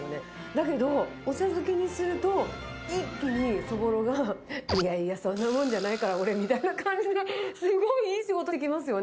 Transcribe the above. だけど、お茶漬けにすると、一気にそぼろが、いやいや、そんなもんじゃないから、俺みたいな感じで、すごいいい仕事してきますよね。